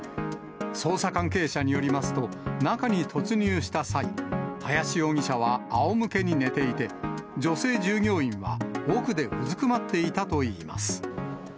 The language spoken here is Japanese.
捜査関係者によりますと、中に突入した際、林容疑者はあおむけに寝ていて、女性従業員は奥でうずくまっていたといいます。